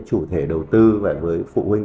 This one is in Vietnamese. chủ thể đầu tư và với phụ huynh